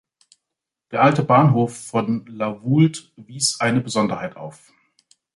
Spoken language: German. Der alte Bahnhof von La Voulte wies eine Besonderheit auf.